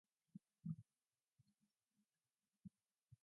He is the first New Zealander to have achieved both feats.